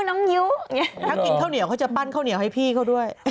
น้องยิ้วถ้ากินข้าวเหนียวเขาจะปั้นข้าวเหนียวให้พี่เขาด้วย